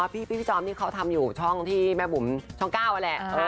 พี่จอมนี่เขาทำอยู่ช่องที่แม่บุ๋มช่อง๙นั่นแหละ